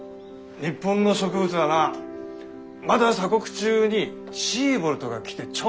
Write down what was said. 日本の植物はなまだ鎖国中にシーボルトが来て調査して回ったからな。